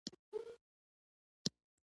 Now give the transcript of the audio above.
هلته یوازې ځانګړي زړور خلک ژوند کولی شي